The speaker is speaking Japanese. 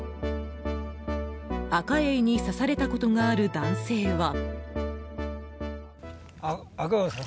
アカエイに刺されたことがある男性は。